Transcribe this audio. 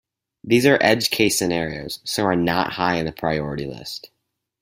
These are edge case scenarios, so are not high in the priority list.